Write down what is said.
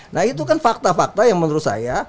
nah itu kan fakta fakta yang menurut saya